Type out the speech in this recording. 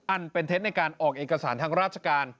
อันเป็นเท็จในการออกเอกสารทางราชการ